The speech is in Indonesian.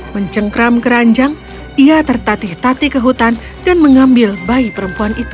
mencengkram keranjang ia tertatih tati ke hutan dan mengambil bayi perempuan itu